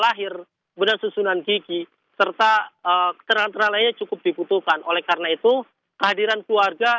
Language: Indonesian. lahir kemudian susunan gigi serta terantera lainnya cukup dibutuhkan oleh karena itu kehadiran keluarga